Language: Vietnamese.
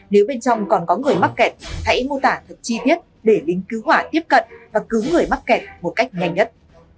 nếu bên trong còn có người mắc kẹt hãy mô tả thật chi tiết để lính cứu hỏa tiếp cận và cứu người mắc kẹt một cách nhanh nhất